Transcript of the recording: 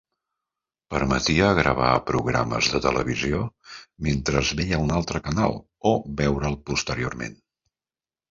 Permetia gravar programes de televisió mentre es veia un altre canal, o veure'l posteriorment.